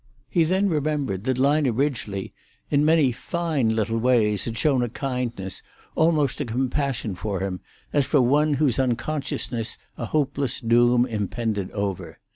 He then remembered that Lina Ridgely in many fine little ways had shown a kindness, almost a compassion, for him, as for one whose unconsciousness a hopeless doom impended over.